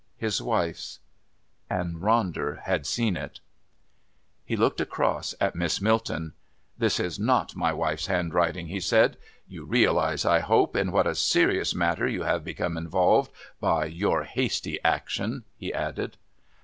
His wife's. And Ronder had seen it. He looked across at Miss Milton. "This is not my wife's handwriting," he said. "You realise, I hope, in what a serious matter you have become involved by your hasty action," he added.